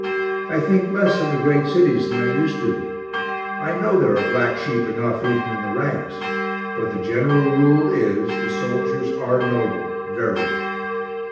I think less of the great cities than I used to. I know there are black sheep enough even in the ranks, but the general rule is the soldiers are noble, very.